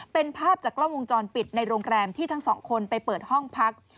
เป็นภาพจากกล้องวงจรปิดในโรงแรมที่ทั้งสองคนไปเปิดห้องพัก